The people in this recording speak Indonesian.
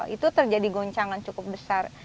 itu terjadi goncangan cukup besar